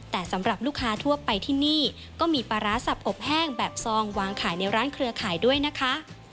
แต่สำหรับลูกค้าทั่วไปที่นี่ก็มีปลาร้าสับอบแห้งแบบซองวางขายในร้านเครือข่ายด้วยนะคะ